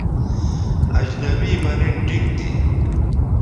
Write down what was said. اجنبی مہ نِن ٹھیک تھی